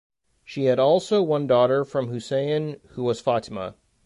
She had Also one daughter from Husayn who was Fatimah.